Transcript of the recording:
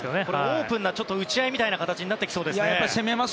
オープンな打ち合いになっていきそうですね。